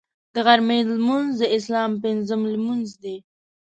د غرمې لمونځ د اسلام پنځم لمونځ دی